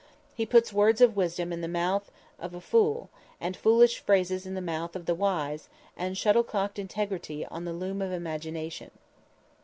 He puts words of wisdom in the mouth of a fool, and foolish phrases in the mouth of the wise, and shuttlecocked integrity in the loom of imagination.